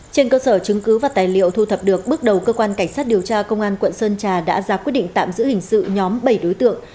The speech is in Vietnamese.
trên cơ sở chứng cứ và tài liệu thu thập được bước đầu cơ quan cảnh sát điều tra công an quận sơn trà đã ra quyết định tạm giữ hình sự nhóm bảy đối tượng